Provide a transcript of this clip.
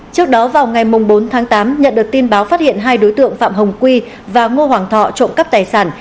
trước đó vào ngày bốn tháng tám nhận được tin báo phát hiện hai đối tượng phạm hồng quy và ngô hoàng thọ trộm cắp tài sản